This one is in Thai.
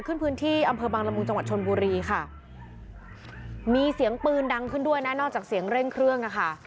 คือเป็นว่าวงจรปิดของบ้านที่จะได้ยินเสียงกรี๊ดเสียงตะโกนด่าได้ยินเสียงเร่งเครื่องด้วยนะคะ